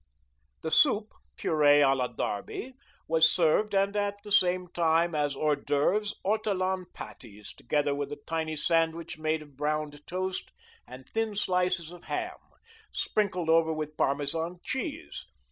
The soup, puree a la Derby, was served, and at the same time, as hors d'oeuvres, ortolan patties, together with a tiny sandwich made of browned toast and thin slices of ham, sprinkled over with Parmesan cheese.